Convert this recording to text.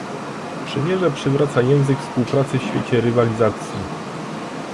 Przymierze przywraca język współpracy w świecie rywalizacji